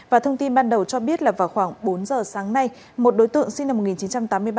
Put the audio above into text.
và thông tin ban đầu cho biết là vào khoảng bốn giờ sáng nay một đối tượng sinh năm một nghìn chín trăm tám mươi ba